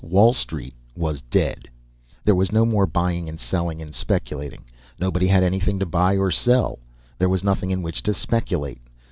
Wall Street was dead. There was no more buying and selling and speculating. Nobody had anything to buy or sell. There was nothing in which to speculate.